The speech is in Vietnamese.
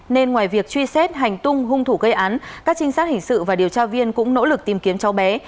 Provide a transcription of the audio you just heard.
nên ngoài việc truy xét hành tung hung thủ gây án các trinh sát hình sự và điều tra viên cũng nỗ lực tìm kiếm cháu bé